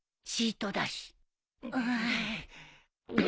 シートだし。